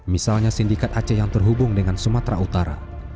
misalnya sindikat aceh yang terhubung dengan sumatera utara